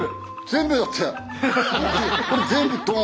全部だって。